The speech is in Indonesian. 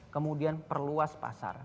kemudian perluas pasar